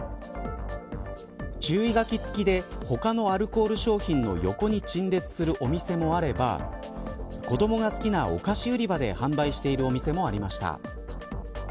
注意書き付きで他のアルコール商品の横に陳列するお店もあれば子どもが好きなお菓子売り場で販売しているお店もありました。